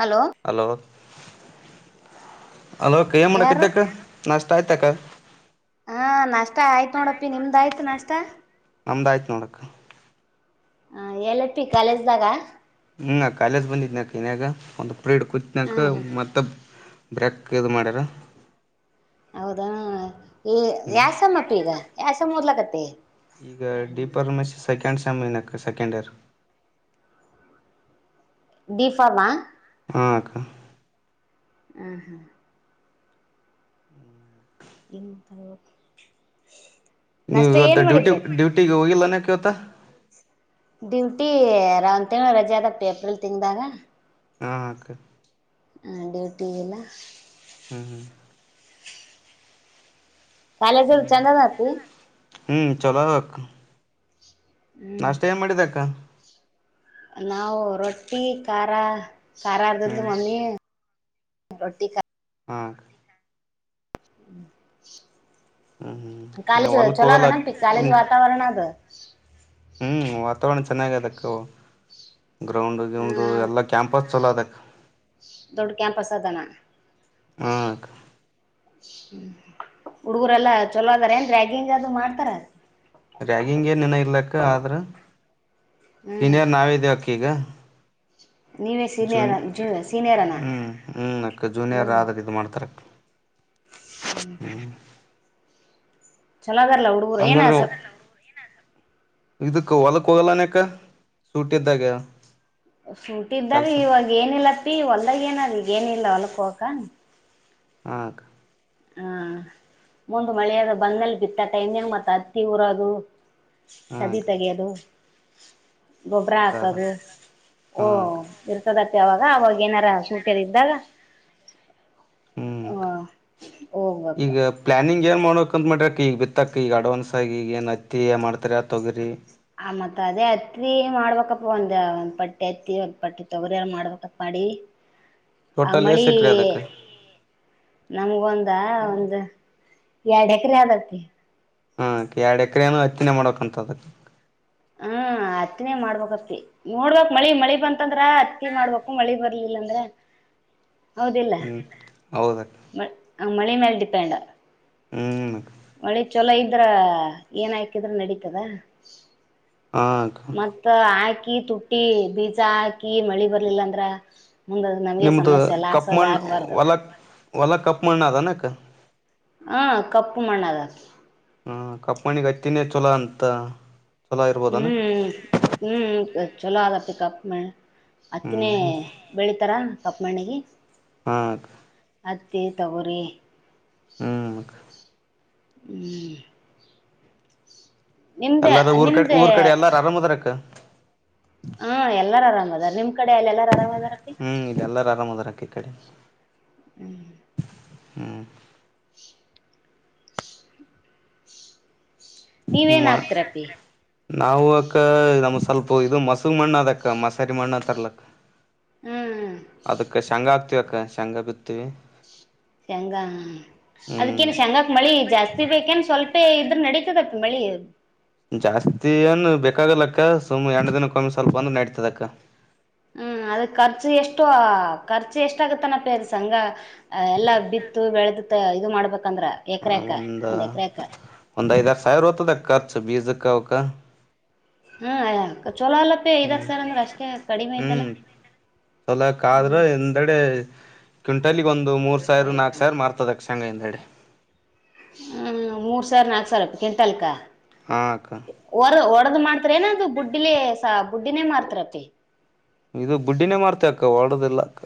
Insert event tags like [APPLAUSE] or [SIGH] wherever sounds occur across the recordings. Hello hello ಹಲೋಕ್ಕ ಏ ಯಾರು ಮಾಡಕತೀಯಕ್ಕಾ ನಾಷ್ಟ ಆಯ್ತಕ್ಕ. ಹಾ ನಾಷ್ಟ ಆಯ್ತು ನೋಡಪ್ಪಿ ನಿಮ್ದ ಆಯ್ತು ನಾಷ್ಟ. ನಮ್ದ್ ಆಯ್ತ್ ನೋಡ್ ಅಕ್ಕ. ಹಾಂ ಎಲ್ಅಪ್ಪಿ ಕಾಲೇಜ್ದಾಗ. ಹ್ಮ ಕಾಲೇಜ್ ಬಂದಿದ್ನಕ್ ಇನ್ಯಾಗ ಒಂದು ಪ್ರೀಡ್ ಹ ಕೂತ್ನಾಕ ಮತ್ತ ಬ್ರೆಕ್ ಇದ್ ಮಾಡ್ಯಾರ. ಹೌದಾ ಈ ಹ್ಮ್ ಯಾ ಸೇಮ್ ಅಪ್ಪಿ ಈಗ ಯಾ ಓದ್ಲಕತ್ತಿ. ಈಗ ಡಿಪರ್ ಮೆಷ್ ಸೆಕೆಂಡ್ ಸೇಮ್ ಇನ್ಯಾಕ ಸೆಕೆಂಡ್ ಇಯರ್. ಡಿ ಫಾರ್ಮ್ ಆ. ಹಾಂ ಅಕ್ಕ. ಹಾಂ ಹಾಂ. [INAUDIBLE] ನಿಮ್ದು. ನೀವ್ ಇವತ್ತು ಡ್ಯೂಟಿ ಡ್ಯೂಟಿಗಗ್ ಹೋಗಿಲ್ಲೆನಕ್ಕ ಇವತ್ತ. ಡ್ಯೂಟಿ ರಾವ್ ತಿಂಗಳ್ ರಜೆ ಅದಪ್ಪಿ ಏಪ್ರಿಲ್ ತಿಂಗ್ದಾಗ. ಹಾಂ ಅಕ್ಕ. ಹಾಂ ಡ್ಯೂಟಿ ಇಲ್ಲ. ಹ್ಮ ಹ್ಮ. ಕಾಲೇಜ್ ಎಲ್ ಚಂದ್ ಅದ ಅಪ್ಪಿ. ಹ್ಮ್ ಚಲೋ ಅದ್ ಅಕ್ಕ. ಹ್ಮ್ ನಾಷ್ಟ ಏನ್ ಮಾಡಿದೆ ಅಕ್ಕ. ನಾವು ರೊಟ್ಟಿ ಖಾರ ಖಾರ ಅರ್ದಿದ್ಲು ಹ್ಮ್ ಮಮ್ಮಿ ರೊಟ್ಟಿ ಖ ಹಾಂ ಅಕ್ಕ. ಹ್ಮ್ ಹ್ಮ್ ಕಾಲೇಜ್ ಹೊಲ್ಕ್ ಹೋಗಲ್ಲ ಚಲೋಗಾನಪ್ಪಿ ಕಾಲೇಜ್ ವಾತಾವರಣ ಅದ್. ಹ್ಮ್ ವಾತಾವರಣ ಚೆನ್ನಾಗ್ ಅದಕ್ಕೂ ಗ್ರೌಂಡು ಗ್ಯಾಂಡು ಹಾ ಎಲ್ಲಾ ಕ್ಯಾಂಪಸ್ ಚಲೋ ಅದಕ್ಕ. ದೊಡ್ಡ್ ಕ್ಯಾಂಪಸ್ ಅದನ. ಹ ಹ್ಮ್ ಹುಡುಗರೆಲ್ಲಾ ಚಲ್ಲೊ ಅದಾರ ಏನ್ ರಾಗ್ಗಿಂಗ್ ಅದ್ ಮಾಡ್ತಾರ. ರಾಗ್ಗಿಂಗ್ ಏನ್ ಇನ್ನ ಇಲ್ಲ ಅಕ್ಕ ಆದ್ರ ಹ್ಮ್ ಸೀನಿಯರ್ ನಾವ್ ಇದೇವಕ್ಕ ಈಗ. ನೀವೇ ಜೂನ್ ಸೀನಿಯರ್ ಜೂ ಸೀನಿಯರನ ಹ್ಮ್ ಹ್ಮ್ ಅಕ್ಕ ಜೂನಿಯರ್ ಆದ್ರ ಇದ್ ಮಾಡ್ತಾರಕ್ಕ. ಹ್ಮ್. ಚಲೋ ಅದ್ರಲ್ಲ ಹುಡುಗ್ ಹಂಗಂದ್ರ. ಇದಕ್ ಹೊಲಕ್ ಹೋಗಲನಕ್ಕ ಸೂಟ್ ಇದ್ದಾಗ. ಸೂಟ್ ಇದ್ದಾಗ್ ಇವಾಗ ಏನಿಲ್ಲಪ್ಪಿ ಹೊಲ್ದಾಗ ಏನ್ ನಂಗ್ ಏನ್ ಇಲ್ಲ ಹೊಲಕ್ ಹೋಗಕ. ಹಾಂ ಅಕ್ಕ. ಹಾಂ ಮುಂದ್ ಮಳೆಯಾದ ಬಂದ್ಮೇಲೆ ಬಿತ್ತಟೈಯಾ ಮತ್ತ ಅತ್ತಿ ಹೊರಾದು. ಹಾ ಸದಿ ಅಕ್ಕ ತಗಿಯದು ಗೊಬ್ಬ್ರಾ ಮುಂದಾದ ಹಾಕದು ಹಾ ಓ. ಅಕ್ಕ ಇರ್ತದತಿ ಅವಾಗ ಅವಾಗ ಏನಾರ ಸೂಟ್ಯದ ಇದ್ದಾಗ ಹ್ಮ್ ಹಾ ಅಕ್ಕ ಹೋಗ್ಬೇಕಾ. ಈಗ ಪ್ಲಾನಿಂಗ್ ಏನ್ ಮಾಡ್ಬೇಕ್ ಅಂತ್ ಮಾಡ್ರಕ್ಕಿ ಈಗ್ ಬಿತ್ತಕ್ ಈಗ್ ಅಡ್ವಾನ್ಸ್ ಆಗಿ ಈಗ್ ಏನ್ ಅತ್ತಿ ಮಾಡ್ತಿರಾ ತೊಗ್ರಿ. ಆ ಮತ್ತ ಅದೇ ಹತ್ತಿ ಮಾಡ್ಬೇಕಪ್ಪ ಒಂದ ಒಂದ್ ಪಟ್ಟಿ ಹತ್ತಿ ಒಂದ್ ಪಟ್ ತೊಗರಿ ಎಲ್ಲಾ ಮಾಡ್ಬೇಕಪ್ಪ ಮಾಡಿ ಟೋಟಲ್ ಎಸ್ ಅಮಳಿ ಎಕರೆ ಅದಕ್ಕ ನಮ್ಗ ಒಂದ ಒಂದ್ ಎರಡ್ ಎಕರೆ ಅದ್ ಅಪ್ಪಿ. ಹಾಂ ಅಕ್ಕ ಎರಡ್ ಎಕರೆೇನು ಹತ್ತಿನೆ ಮಾಡಕ್ ಅಂತದ್ರಿ. ಹಾಂ ಹತ್ತಿನೆ ಮಾಡ್ಬೇಕ್ ಅಪ್ಪಿ. ನೋಡ್ಬೇಕ್ ಮಳಿ ಮಳಿ ಬಂತಂದ್ರ ಅತ್ತಿ ಮಾಡ್ಬೇಕು ಮಳಿ ಬರ್ಲಿಲ್ಲ ಅಂದ್ರ ಹೌದಿಲ್ಲ ಹ್ಮ್ ಹೌದಕ್ಕ ಮ ಮಳಿ ಮೆಲ್ ಡಿಪೆಂಡ್. ಹ್ಮ್ ಮಳೆ ಚೊಲೋ ಇದ್ರ ಏನಾಕಿದ್ರ ನಡೀತದ ಹಾಂಕ ಮತ್ತ ಹಾಕಿ ತುಟ್ಟಿ ಬೀಜ ಹಾಕಿ ಮಳಿ ಬರ್ಲಿಲ್ಲ ಅಂದ್ರ ಮುಂದ ನಮಗೆ ನಿಮ್ದು ಸಮಸ್ಯೆಲ್ಲ ಹಸೋದ ಕಪ್ಮಣ್ಣ ಆಗ್ಬಾರ್ದು ಹೊಲ ಹೊಲ ಕಪ್ ಮಾಡಣಣ ಅದ ಅನಕ ಹಾ ಕಪ್ಪು ಮಣ್ಣದ ಹಾ ಕಪ್ಪಣಿಗ್ ಹಚ್ಚಿನೇ ಚಛೊಲ ಅಂತ ಚೊಲೋ ಇರ್ಬೋದನಕ್ ಹ್ಮ್ ಹ್ಮ್ ಚಲಪ್ಪ ಕಪ್ ಅತ್ತನೇ ಹ್ಮ್ ಬೆಳೀಿತಾರಾ ಕಪ್ಪ್ಮಣ್ಣಿಗೆ ಹಾಕ ಹತ್ತಿ ತೊಗರಿ ಹ್ಮಞ ಹ್ಮ್ ನಿಮ್ದೆ ಎಲ್ಲಾರೂ ಊರ್ ಕಡೆ ನಿಮ್ದೆ ಊರ್ ಕಡೆ ಎಲ್ಲಾರ ಆರಾಮ್ ಅದ್ರ ಅಕ್ಕ ಹಾ ಎಲ್ಲಾರ ಆರಾಮದಾರ ನಿಮ್ ಕಡೆ ಅಲ್ಲ ಎಲ್ಲಾರ ಆರಾಮದಾರ ಹ್ಮ್ ಎಲ್ಲಾರ ಆರಾಮ ಅದ್ಾಕ್ಕ ಈ ಕಡೆ ಹ್ಮ್ ಹ್ಮ್ ನೀವೇನ್ ಮತ್ತೆ ಹಾಕ್ತಿರಪ್ಪಿ ನಾವು ಅಕ್ಕ ನಮ ಸ್ವಲ್ಪ ಇದು ಮಸಗ್ ಮಣ್ಣ ಅದಕ್ಕ ಮಸಾರಿ ಮಣ್ಣ ತರ್ಲಕ್ ಹ್ಮ್ ಅದಕ್ಕ ಶೇಂಗಾ ಆಕ್ತಿವಿ ಅಕ್ಕ ಶೇಂಗಾ ಬಿತಿೀವಿ ಶೆಂಗಾ ಅದಕ್ಕನ್ನು ಶೆಂಗಾ ಮಳಿ ಜಾಸ್ತಿ ಬೇಕೇನ್ ಸ್ವಲ್ಪ ಇದ್ರ ನಡತದತ್ ಮಳಿ ಜಾಸ್ತ ನ್ ಬೇಕಾಗಲ್ಲಕ್ಕ ಸುಮ್ ಎಂಡ ದಿನ ಕಮ್ಮಿ ಸ್ವಲ್ಪ ಅಂದ್ರ ನಡ್ತದಕ್ಕ ಹ್ಮ್ ಅದ ಖರ್ಚು ಎಷ್ಟೋ ಖರ್ಚು ಎಷ್ಟಗತ್ತನ ಪೇ ಸಂಘ ಅ ಎಲ್ಲಾ ಬಿತ್ತು ಬೆಳೆದು ಇದು ಮಾಡ್ಬೇಕಂದ್ರೆ ಹ ಒಂದ ಒಂದ್ ಐದಾರ ಸಾವಿರ ಹೋರಾಡ ಖರ್ಚು ಬೀಜಕ್ ಅವಕ್ಕ ಹಾಂ ಆ ಚೊಲಲ್ಲ ಐದಾಗ ಹ್ಮ್ ಸರ್ ಅಂದ್ರೆ ಅಷ್ಟೇ ಕಡಿಮೆ ಆಐ್ತಲ್ಲ ಹ್ಮ್ ಚೊಲೋಕ್ಕ ಆದ್ರ ಹ್ಮ ಹಿಂದೆಡೆ ಕ್ವಿಂಟಲ್ಗ ಒಂದು ಮೂರ್ ಸಾವಿರ ನಾಕ್ ಸಾವಿರ ಮಾರ್ತದ ತಕ್ಷಂಗ ಎಂದಡೆ ಹ್ಮ್ ಮೂರ್ ಸಾವರ ನಾಕ್ ಸಾವಿರ ಕ್ವಿಟಾಲ್ಕಾ ಹಾಕ ಒರ್ದ ವಡ್ರು ಒಡದ್ ಮಾಡ್ತರೇನ ಅದು ಬುಡ್ಲ ಬುಡ್ಡಿನೇ ಮಾಡ್ತಾರಪ್ಪಿ ಇದು ಬುಡ್ಡಿನೇ ಮಾಡ್ತೆ ಅಕ್ಕ ಒಡದಿಲ್ಲ ಅಕ್ಕ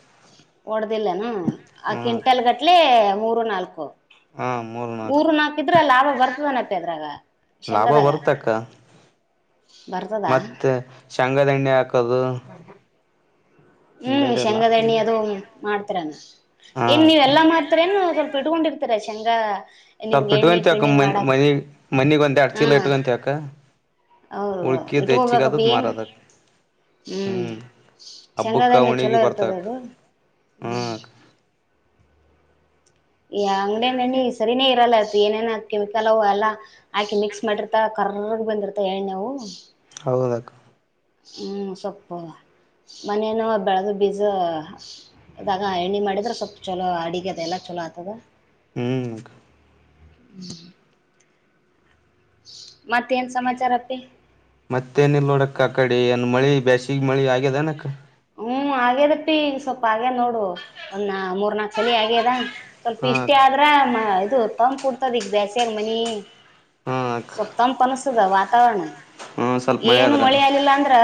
ಹೊಡ್ದಿಲ್ಲನ ಆ ಹಾ ಅಕ್ಕ ಕ್ವಿಂಟಲ್ ಗಟ್ಲೆ ಮೂರು ನಾಲ್ಕು ಹಾ ಮೂರು ನಾಲ್ಕು ಮೂರ್ ನಾಲ್ಕ ಇದ್ರೆ ಲಾಭ ಬರ್ತದನತ್ತೆ ಅದ್ರಾಗ ಲಾಭ ಬರ್ತಾಕ್ಕ ಭರ್ತದ ಶಂಗದಣ್ಣೆ ಹಾಕೋದು ಅದು ಹ್ಮ್ ಹಿಂದೆಡೆ ಎಲ್ಲ ಶೇಂಗದಣ್ಣಿ ಅದು ಮಾಡ್ತರಾನ ಹಾ ಏನ್ ಅಕ್ಕ ನೀವೆಲ್ಲಾ ಮಾಡ್ತ ನು ಸ್ವಲ್ಪ ಇಡ್ಕೊಂಡಿರ್ತಾರೆ ಸೇಂಗಾ ಸ್ವಲ್ಪ ಇಟ್ಕೊಂತ ಅಕ್ಕ ಮಿ ಮನಿಗ್ ಮನಿಗ್ ಒಂದ್ ಹಾ ಅಡ್ಚೀಲ ಇಟ್ಕೊಂತ ಅಕ್ಕ ಹೌದು ಉಳ್ಕಿದ್ ಇಟ್ಕೋಬೇಕಪ್ಪ ಹೆಚ್ಚಿಗದದ್ ಏನ್ ಮಾರದಕ್ಕ ಹ್ಞೂ ಹ್ಮ್ ಶಂಗಾದ ಹಬ್ಬಕ್ಕ ಎಣ್ಣೆ ಚಲೋ ಉಣಿಗಿ ಇರ್ತದ ಬರ್ತಕ್ಕ ಅದು ಹ್ಮ ಹ್ಞೂ ಯ ಅಂಗಡ ನ ಸರಿನೇ ಇರಲ್ಲ ಆಯತು ಏನೇನ ಕೆಮಿಕಲ್ ಅವ ಅಲ್ಲಾ ಆಾಕೆ ಮಿಕ್ಸ್ ಮಾಡಿರ್ತಾ ಕರಗ್ ಬಂದಿರ್ತ ಏಣ ನವು ಹೌದಕ ಹ್ಮ್ ಸೊಪ್ಪು ಮನೇನ ಬೆಳೆದು ಬೀಜ ಅದಾಗ ಎಣ್ಣೆ ಮಾಡಿದರೆೆ ಸ್ವಲ್ಪ ಚಲೋ ಅಿಗೆದೆ ಎಲ್ಲ ಚಲೋ ಆಗ್ತದ ಹ್ಮ್ ಹ್ಮ್ ಮತ್ತೆ ಏನ್ ಸಮಾಚಾರ ಅಿ ಮತ್ತೇನಲ್ ನೋಡಕ್ಕ ಆ ಕಡೆ ಏನ್ ಮಳಿ ಬೇಾಸಗ ಮಳಿ ಆಗ್ಯದ ಅನಕ್ಕ ಹ್ಮ್ ಆಗ್ಯದಪ್ಪಿ ಸ್ವಲ್ಪ ಆಗ್ಯ ನೋಡು ಒಂದ್ ಮೂರ್ ನಾಕ್ ಸಲ ಆಗ್ಯದ ಸ್ವಲ್ಪ ಹಾ ಇಷ್ಟೇ ಅಕ್ಕ ಆದ್ರ ಇದು ತಂದ ಕುಡ್ತದ ಈಗ ಬೇಸ್ಯಾಗ ಮನಿ ಹಾ ಅಕ್ಕ ಸ್ಪ್ತಂಪನಸದ ವಾಾವರಣ ಹ್ಮ ಸ್ವಲ್ಪ ಮಳೆ ಏನು ಆದ್ರ ಮಳೆಲ್ಲಿಿಲ್ಲ ಅಂದ್ರ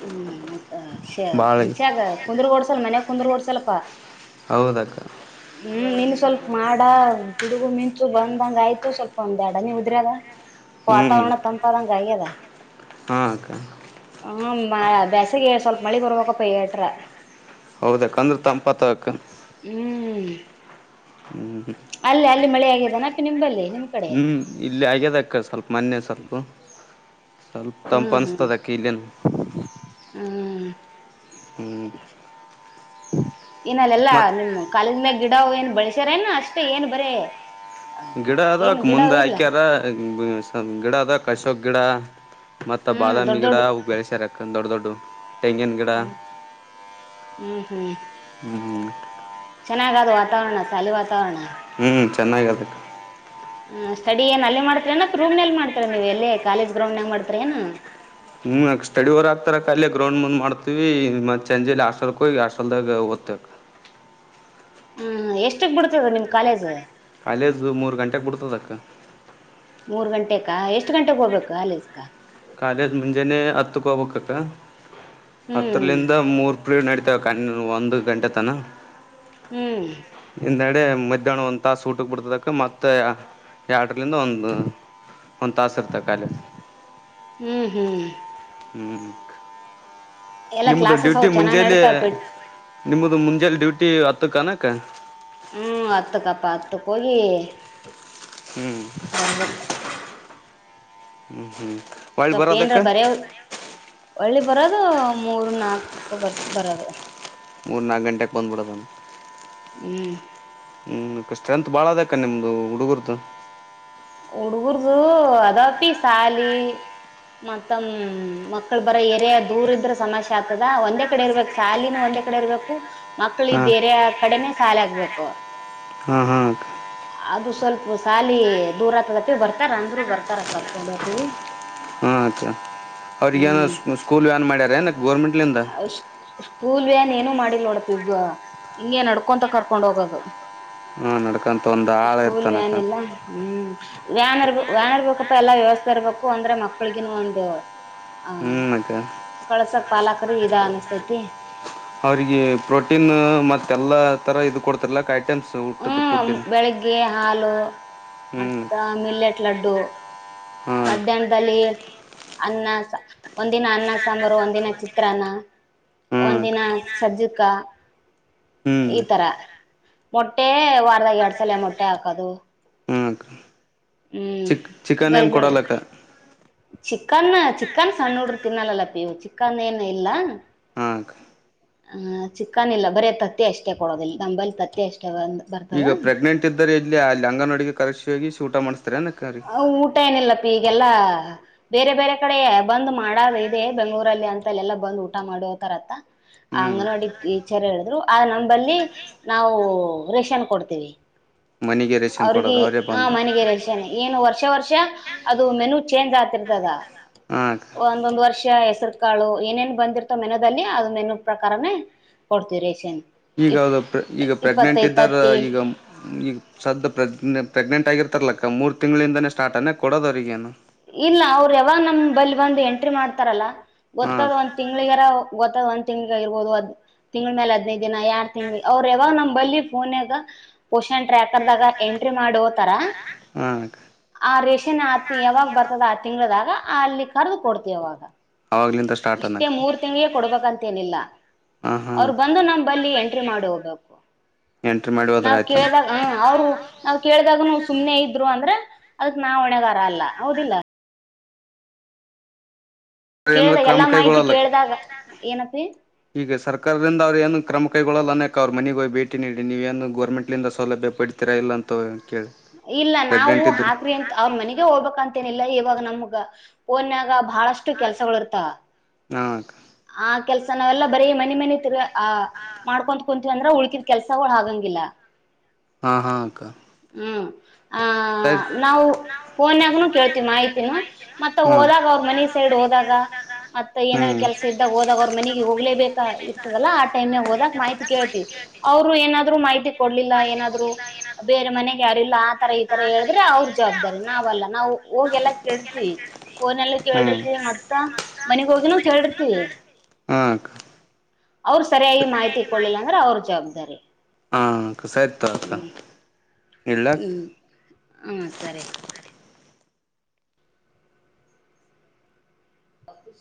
ಹ್ಮ ಮತ್ತಂಷ ಬಾಳ ಕುಂದ್ರ ಡ್ಸಲ್ ಮನ್ಯಾಗ ಕುಂದ್ರ ಡ್ಸಲ್ಪ ಹೌದಕ್ಕ ಹ್ಮ್ ನಿನ್ ಸ್ವಲ್ಪ ಮಾಡ ಹುಡುಗು ಮಿಂಚು ಬಂದಂಗ ಆಯ್ತು ಸ್ವಲ್ಪ ಒಂದ್ ಎಡನಿ ಉದ್ರದ ಪಾತಾವಣ ತಂಪಾದಾ ಕೈದ ಹಾಕ ಹ್ಮ ಬಸಗೆ ಸ್ವಲ್ಪ ಮಳಿ ಬರ್ಬೇಕಪ್ಪ ಏಟ್ರ ಹೌದೇಕಂದ್ರೆ ತಂಪತಕ ಹ್ಮ್ ಹ್ಮ್ ಅಲ್ಲೇ ಅಲ್ಲಿ ಮಳೆ ಆಗಿದೆಾನಕ ನಿಂಬಲ್ಲಿ ನಿಮ ಹ್ಮ್ ಇಲ್ಲಿ ಆಗ್ಯದಕ್ಕ ಸ್ವಲ್ಪ ಮೊನ್ನೆ ಸ್ವಲ್ಪ ಸ್ವಲ್ಪ ತಂಪು ಅನಸ್ತದಕ್ಕ ಅಕಲ ಹ್ಮ ಹ್ಮ್ ಏನಲ್ಲೆಲ್ಲಾ ಮತ್ ನಿಮ್ ಕಾಲೇಜಿಂದ ಗಿಡ ಏನ್ ಬಳಸ್ಯಾರೇನ ಅಷ್ಟೇ ಏನ್ ಬರ ಗಿಡಾ ಅದ ಮುಂದ್ರ ಆಯಕ ಗಿಡಾ ಅದ ಕಶಕ್ ಗಿಡಾ ಮತ್ತ ಹ್ಮ್ ಬಾದಾಮಿ ದೊಡ್ಡ ಗಿಡ ದೊಡ್ಡ ಬೆಳಸ್ಯಾರ ದೊಡ್ಡ ದೊಡ್ಡ ತೆಂಗಿನ್ ಗಿಡ ಹ್ಮ್ ಹು ಹು ಚೆನ್ನಾಗದು ವಾತಾವರಣ ಸಾಲಿ ವಾತಾವರಣ ಹ್ಮ್ ಚೆನ್ನಾಗದೆ ಹ ಸ್ಟಡಿ ಏನ್ ಅಲ್ಲ ಮಾಡ್ತಾರಏನು ಅತ್ ರುಮ್ನಲ್ಲಿ ಮಾಡ್ತಿರ ನೀವು ಎಲ್ಲಿ ಕಾಲೇಜ್ ಗ್ರೌಂಡ್ನಾಗ ಮಾಡ್ತಿರ ಏನು ಹ್ಮ ಸ್ಟಡಿ ವರ್ ಆಗ್ತಾರಕಅಲ್ಲೆ ಗ್ರೌಂಡ್ ಮುಂದ್ ಮಾಡ್ತಿವಿ ಮತ್ತ ಚಂಜಲಿ ಹಾಸ್ಟುಕೊಗಿ ಹಾಷ್ಟಲ್ದಾಗ ಓದ್ತೆವಕ್ಕ ಹ್ಮ್ ಎಷ್ಟಕ್ ಬಿಡ್ತದ ನಿಮ್ ಕಾಲೇಜ್ ಕಾಲೇಜು ಮೂರು ಗಂಟೆಗೆ ಬಿಡ್ತದಕ್ಕ ಮೂರ್ ಗಂಟೆಕ ಎಷ್ಟು ಗಂಟೆಗೆ ಹೋಗ್ಬೇಕು ಕಾಲೇಸ್ಕ ಕಾಲೇಜ್ ಮುಂಜಾನೆ ಹತ್ತುಕ್ ಹೋಗ್ಬೇಕಕ್ಕ ಹ್ಮ್ ಹತ್ರರ್ಲಿಂದ ಮೂರ್ ಪಿರ್ಡ್ ನಡಿತವಕ್ಕ ಇನ್ ಒಂದು ಗಂಟೆ ತನ ಹ್ಮ್ ಹಿಂದೆಡೆ ಮಧ್ಯಾಹ್ನ ಒಂದ್ ತಾಸ್ ಊಟಕ್ ಬಿಡ್ತದಕ್ಕೆ ಮತ್ತೆ ಯಡಲಿಂದ ಒಂದು ಒಂದು ತಾಸ್ ಇರ್ತಕಲಿ ಹ್ಮ್ ಹ್ಮ್ ಹ್ಮ್ ಎಲ್ಲಾ ನಿಮ್ಮದು ಕ್ಲಾಸಸ್ ಡ್ಯೂಟಿ ಅವು ಚೆನ್ನಾಗ್ ಮುಂಜಲಿ ನಡತಾವ ಪಿ ನಿಮ್ಮದು ಮುಂಜಲಿ ಡ್ಯೂಟಿ ಹತ್ತುಕೆನಕ ಹ್ಮ್ ಹತ್ತ ಕಪ್ಪ ಹತ್ತುಕ್ಕೋಗಿ ಹ್ಮ್ ಹ್ಮ್ ಹ್ಮ್ ಸ್ವಲ್ಪ ಏನ್ರ ಬರ ಒಳ್ಳಿ ಬರೋದು ಮೂರ್ ನಾಲ್ಕಕ ಬರ್ ಬರೋದು ಮೂರು ನಾಲ್ಕ ಗಂಟೆಗೆ ಬಂದುಬಿಡೋದು ಹ್ಮ್ ಹ್ಮ್ ಸ್ಟ್ರೆಂತ್ ಬಾಳ ಅದಕ್ಕಕ ನಿಮ್ದು ಹುಡುಗರ್ದ ಹಡುಗರದು ಅದಪಿ ಶಾಲಿ ಮತ್ತಮ್ಮ ಮಕ್ಕಳು ಬರ ಏರಿಯ ದೂರ ಇದ್ರೆ ಸಮಸ್ಯೆ ಆಗ್ತದ ಒಂದೇ ಕಡೆ ಇರ್ಬೇಕ ಸಾಲಿನ ಒಂದೇ ಕಡೆ ಇರ್ಬೇಕು ಮಕ್ಳಿಗೆ ಹಾಂ ಬೇರೆ ಕಡೆನೆೇ ಸಾಲ ಆಗ್ಬೇಕು ಹ್ಮ್ ಹ್ಮ್ ಅದು ಸ್ವಲ್ಪ ಸಾಲಿ ದೂರ ಹತ್ರದಟ್ಟಿ ಬರ್ತಾರ ಅಂದ್ರರು ಬರ್ತಾರ ಕರ್ಕೊಂಡ ಹೋಗ್ತೀವಿ ಹಾಂ ಅಕ್ಕಾ ಅವ್ರಗಏನು ಹ್ಮ್ ಸ್ಕೂಲ್ ಏನು ಮಾಡ್ಯಾರ ಏನ ಗೋರ್ಮೆಂಟ್ಲಿಂದ ್ ಸ್ಕೂಲ್ ವನ್ ಏನು ಮಾಡಲ್ ನೋಡಪ ಈಗ ಹಿಂಗೆ ನಡ್ಕೊಂತ ಕರ್ಕೊಂಡ್ ಹೋಗೋದು ಹ್ಮ ನಡ್ಕಂತ ಒಂದ್ ಆಳ ಸ್ಕೂಲ್ ಇರ್ತನಕ ವ್ಯಾನ್ ಇಲ್ಲ ಹ್ಮ್ ವ್ಯನ್ರ್ ವ್ಯ್ಯಾನ್ ಇರ್ಬೇಕಪ್ಪ ಎಲ್ಲಾ ವ್ಯವಸ್ಥೆ ಇರ್ಬೇಕು ಅಂದ್ರೆ ಮಕ್ಳಿಗನು ಒಂದು ಹಾಂ ಹ್ಞೂ ಅಕ್ಕ ಕಳ್ಸೋಕ್ ಪಾಲಾಕ್ರ ಇದ ಅನ್ನಿಸ್ತೈತಿ ಅವ್ರಿಗೆ ಪ್ರೋಟೀನು ಮತ್ತೆ ಎಲ್ಲಾ ತರ ಇದು ಕೊಡ್ತಾರಲ್ಲ ಕ ಹು ಬೆಳಿಗ್ಗೆ ಹಾಲು ಹ್ಮ್ ಮತ್ತ ಆಮ್ಲೆಟ್ ಲಡ್ಡು- ಹಾಂ ಮಧ್ಯಾಹ್ನದಲ್ಲಿ- ಅನ್ನ ಸಾ ಅನ್ನ ಒಂದಿನ ಅನ್ನ ಸಾಂಬಾರು ಒಂದಿನ ಚಿತ್ರಾನ್ನ ಹ್ಮ್ ಒಂದಿನ ಸಜ್ಜುಕ ಹ್ಮ್ ಈ ತರ ಮೊಟ್ಟೆ- ಾಗ ಎರಡ್ ಸಲ ಮೊಟ್ಟೆ ಹಾಕೋದು- ಹಾಕ್ಕ ಹ್ಮ್ ಚಿ ಚಿಕನ್ ಏನ್ ಗರಿಬಿಣಿ ಕೊಡಲ್ಲಕ್ಕ. ಚಿಕನ್ ಚಿಕನ್ ಸಣ್ಣ ನೋಡ್ರರು ತಿನ್ನಲ್ಲಲ್ಲ ಪಿವು ಚಿಕನ್ ಏನು ಇಲ್ಲ. ಹಾ ಅಕ್ಕ ಆ್ ಚಿಕ್ಕನ್ ಇಲ್ಲ ಬರ ತತ್ತೆ ಅಷ್ಟೇ ಕೊಡೋದ ಇಲ್ಲಿ ನಂಬಲ್ಲಿ ತತ್ತೆ ಅಷ್ಟೇ ಬಂದು ಈಗ ಪ್ರೆಗ್ನೆಂಟ್ ಇದ್ದರೆ ಇಲ್ಲಿ ಆಲ್ಲಿ ಅಂಗನೋಡಿಗೆ ಕರೆಕ್ಕ್ಷ ಹೋಗಿ ಊಟ ಮಾಡ್ತಾರೆ ಎನ್ ಅಕ್ಕಾ - ಊಟ ಏನಿಲ್ಲಪ್ಪ ಈಗೆಲ್ಲಾ- ಬೇರೆ ಬೇರೆ ಕಡೆ ಬಂದ್ ಮಾಡದ ಇದೆ ಬೆಂಗ್ಗಳೂರಲ್ಲಿ ಅಂತಲ್ಲ ಎಲ್ಲಾ ಬಂದು್ ಊಟ ಮಾಡತರತ್ತ- ಹ್ಮ್ ಅಂಗನವಾಡಿ ಟೀಚರ್ ಹೇಳಿದ್ರು ಆ ನಂಬಲ್ಲಿ ನಾವು ರೇಷನ್ ಕೊಡ್ತೇವಿ- ಮನೆಗೆ ರೇಷನ್ ಅವ್ರಗ ಕೊಡೋದು ಅವರೇ ಹ ಬಂದು ಮನೆಗೆ ರೇಷನ್ - ಏನು ವರ್ಷ ವರ್ಷ ಅದು ಮೆನು ಚೇಂಜ್ ಆಗ್ತಿರ್ತದ. ಹ ಅಕ್ಕಾ ಒಂದೊಂದ್ ವರ್ಷ ಹೆಸರು ಕಾಳು ಏನೇನ್ ಬಂದಿರ್ತೋ ಮೆನದಲ್ಲಿ ಅದ ಮೆನ್ನು ಪ್ರಕಾರನೇ- ಕೊಡ್ತು ರೇಷನ್ - ಈಗದು ಪ್ರ ಈಗ ಪ್ರೆಗ್ನೆಂಟ್ ಇದ್ದಾರ ತತ್ತಿ ಈಗ ಈಗ ಸದ್ದು ಪ್ರೆಗ್ ಪ್ರೆಗ್ನೆಂಟ್ ಆಗಿರ್ತಾರಲಕ್ಕ ಮೂರು ತಿಂಗಳಿಂದಾನೇ ಸಾರ್ಟ್ ಅನ್ನೇ ಕೊಡೋದು ಅವ್ರಿಗೇನು- ಇಲ್ಲ ಅವರು ಯಾವಾಗ ನಮ್ ಬಲ್ ಬಂದು ಎಂಟ್ರಿ ಮಾಡ್ತಾರಲ್ಲ ಹಾಂ ಗೊತ್ತಾದಂತ- ತಿಂಗ್ಳಗಾರ ಗೊತ್ತ ಒಂದ್ ತಿಂಗ್ಿಗ ಇರ್ಬೋದು ಅದ್- ತಿಂಗ್ ಮೇಾಲ ಹದ್ಿನೈದು ದಿನ ಯಾರ್ ತಿಂಗ್ಳ ಅವ್ರ ಯಾವ ನಮ್ ಬಲ್ಲಿಿ ಫೋನ್ಾಗ- ಪೋಷನ್ ಟ್ರ್ಯಾಕರ್ ದಾಗ ಎಂಟ್ರಿ ಮಾಡುವ ತರ- ಹ್ಮ ಅಕ್ಕ - ಆ ರೇಷನ್ ಆ ಯಾವಾಗ ಬರ್ತದ ಆ ತಿಂಗಳದಾಗ ಅಲ್ಲಿ ಕರೆದು ಕೊಡ್ತಿ ಯಾವಾಗ. ಅವಾಗ್ಲಿಂದ ಸ್ಟಾರ್ಟ್ ಇಷ್ಟೇ ಅನ್ನಕ್ಕೆ ಮೂರ್ ತಿಂಳೇ ಕೊಡ್ಬೇಕಂತೇನಿಲ್ಲ. ಹಾ ಹಾ ಅವರು ಬಂದು ನಮ್ ಬಲ್ಲಿ ಎಂಟ್ರಿ ಮಾಡಿ ಹೋಗ್ಬೇಕು. ಎಂಟ್ರಿ ಮಾಡಿ ಹದ್ರ ಆಯ್ತಾ ಹ ಅವ್ರು ನಾವ್ ಕೇಳಿದಾಗನು ಸುಮ್ನೆ ಇದ್ರು ಅಂದ್ರೆ ಅದಕ್ ನಾ ಹೊಣೆಗಾರ ಅಲ್ಲ ಹೌದಿಲ್ಲ- ಏನಾದ್ರು ಕೇಳ್ದಾಗ ಕ್ರಮ ಎಲ್ಲಾ ಮಾಹಿತಿ ಕೈಗೊಳ್ಳಲ್ಲ ಕೇಳ್ದಾಗ ಏನಪಿ ಈಗ ಸರ್ಕಾರದಿಂದ ಅವ್ರು ಏನು ಕ್ರಮ ಕೈಗೊಳ್ಳಲ್ಲ ಅನೇಕಕ್ ಅವ್ರ ಮನೆಗೆ ಹೋಗ ಭೇಟಿ ನೀಡಿ ನೀವೇಏನು ಗೌರ್ಮೆಂಟ್ಂದ ಸೌಲಭ್ಯ ಪಡ ಹತ್ತಿರ ಇಲ್ಲ ಅಂತ ಕೇಳಿ ಇಲ್ಲ ನಾವು ಪ್ರೆಗ್ನೆಂಟ್ ಇದ್ರಿ ಹಾಕ್ವಿ ಅಂತ ಅವ್ರ ಮನೆಗೆ ಹೋಗ್ಬೇಕಂತೇನಿಲ್ಲ ಇವಾಗ ನಮ್ಗ ಓನ್ಯಾಗ ಬಹಳಷ್ಟು ಕೆಲ್ಸಗಳು ಇರ್ತ ಹಾ ಅಕ್ಕ ಆ ಕೆಲ್ಸ ನಾವೆಲ್ಲಾ ಬರಿೀ ಮನೆ ಮನೆ ತಿರ್ ಆ- ಮಾಡ್ಕೊ್ ಕುಂತೀವಿ ಅಂದ್ರ ಉಳ್ಕಿದ ಕೆಲ್ಸವು ಹಾಗಂಗಿಲ್ಲ. ಹಾ ಹಾ ಅಕ್ಕ ಹ್ಮ್ ಆ ಸರಿ ನಾವು ಫೋನ್ ನಾಗನುೂ ಕೇಳ್ತಿವಿ ಮಾಹಿತಿನು ಮತ್ತ ಹೋದಾಗ ಅವ್ರ ಮನಿ ಸೈಡ್ ಹೋದಾಗ ಮತ್ತೆ ಏನಾರ ಕೆಲಸ ಇದ್ದಾಗ ಹೋದಾಗ ಅವ್ರ ಮನೆಗೆ ಹೋಗಲೇಬೇಕಾ ಇರ್ತದಲ್ಲ ಆ ಟೈಮ್ ನಾಗ ಹೋದಾಗಕ್ ಮಾಹಿತಿ ಕೇಳ್ತಿ- ಅವ್ರು ಏನಾದ್ರು ಮಾಹಿತಿ ಕೊಡ್ಲಿಲ್ಲ ಏನಾದ್ರು- ಬೇರೆ ಮನೆಗೆ ಯಾರಲ್ಲ ಆತರ ಈ ತರ ಹೇಳಿದ್ರೆ ಅವ್ರ ಜವಾಬ್ದಾರಿ ನಾವಲ್ಲ ನಾವು ಹೋಗ ಎಲ್ಲ ಕೆಳಿತ್ತಿ ಅನಿ ಫೋನ್ ಅಲ್ಲ ಕೇಳಿರ್ತಿ ಮತ್ತ ಮನಗಿ ಹೋಗಿನು ಕೇಳಿರ್ತಿ- ಹಾ ಅಕ್ಕಾ ಅವ್ರರು ಸರಿಯಾಗಿ ಮಾಹಿತಿ ಕೊಳ್ಳಿಲ್ಲ ಅಂದ್ರೆ ಅವ್ರ ಜವಾಬ್ದಾರಿ ಜವಾಬ್ದಾರಿ. ಹಾ ಅಕ್ಕ ಸರಿ ತಗೋ ಹ್ಮ ಅಕ್ಕ ಇಡ್ಲಾ ಹ್ಮ ಅಕ್ಕ ಹಾ ಸರಿ ಬಾಪೂಜಿ [INAUDIBLE]